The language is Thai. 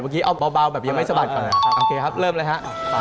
เมื่อกี้เอาเบาแบบยังไม่สะบัดก่อนนะฮะครับโอเคครับเริ่มเลยฮะ